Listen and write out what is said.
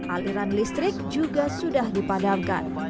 aliran listrik juga sudah dipadamkan